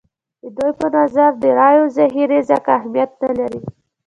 د دوی په نظر د رایو ذخیرې ځکه اهمیت نه لري.